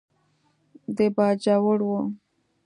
د باجوړ و.